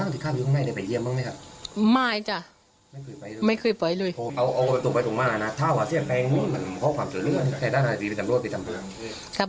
เต้ำก่อนที่เข้าไปข้างในแปรเยี่ยมบ้างไหมครับ